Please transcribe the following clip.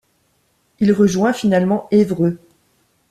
Il rejoint finalement Évreux.